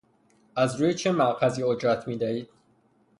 از روی چه مأخذی اجرت میدهید